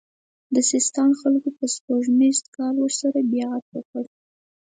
د سیستان خلکو په سپوږمیز کال ورسره بیعت وکړ.